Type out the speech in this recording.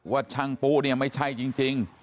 ว่าช่างปู้ไม่ใช่จริง